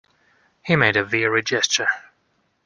He made a weary gesture.